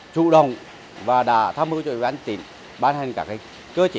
chủ động và đã tham hữu chuỗi bán tỉnh bán hành các cơ chỉ